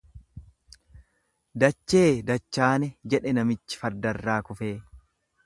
Dachee dachaane jedhe namichi fardarraa kufee.